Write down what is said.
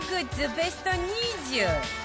ベスト２０